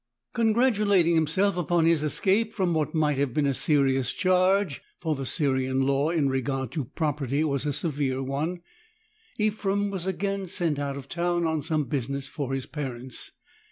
Congratulating himself upon his escape from what might have been a serious charge — for the Syrian law in regard to property was a severe one — Ephrem was again sent out of town on some business for his parents.